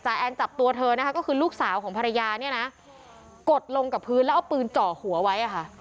แอนจับตัวเธอนะคะก็คือลูกสาวของภรรยาเนี่ยนะกดลงกับพื้นแล้วเอาปืนเจาะหัวไว้อะค่ะ